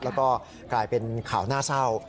แล้วก็กลายเป็นข่าวน่าเศร้า